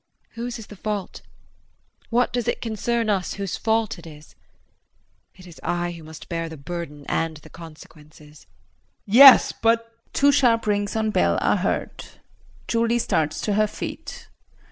Whose is the fault? What does it concern us whose fault it is? It is I who must bear the burden and the consequences. JEAN. Yes, but [Two sharp rings on bell are heard. Julie starts to her feet.